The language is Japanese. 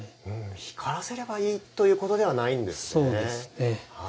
光らせればいいということではないんですね。